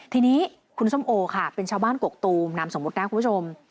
ทีนี้คุณส้มโอค่ะเป็นชาวบ้านกกตูมนามสมมุตินะคุณผู้ชม